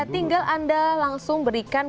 tinggal anda langsung berikan